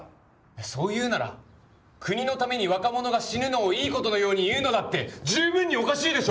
そう言うなら国のために若者が死ぬのをいいことのように言うのだって十分におかしいでしょう！